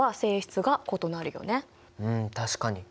うん確かに。